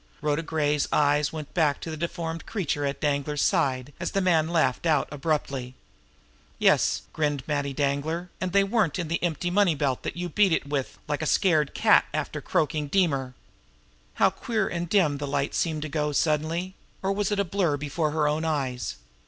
Rhoda Gray's eyes went back to the deformed creature at Danglar's side, as the man laughed out abruptly. "Yes," grinned Matty Danglar, "and they weren't in the empty money belt that you beat it with like a scared cat after croaking Deemer!" How queer and dim the light seemed to go suddenly or was it a blur before her own eyes?